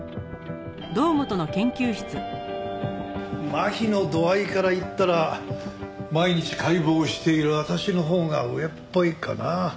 麻痺の度合いから言ったら毎日解剖している私のほうが上っぽいかな。